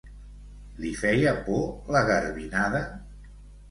Li feia por la garbinada?